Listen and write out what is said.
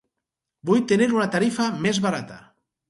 Vull tenir una tarifa més barata.